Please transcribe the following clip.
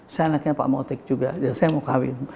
saya anaknya pak motik juga saya mau kawin